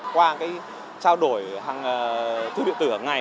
qua cái trao đổi hàng thư điện tử hàng ngày